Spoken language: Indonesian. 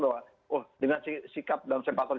bahwa dengan sikap dan sepaktor